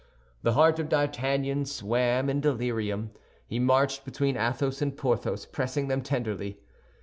The heart of D'Artagnan swam in delirium; he marched between Athos and Porthos, pressing them tenderly.